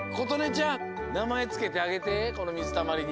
ちゃんなまえつけてあげてこのみずたまりに。